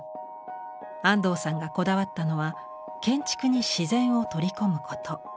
安藤さんがこだわったのは建築に自然を取り込むこと。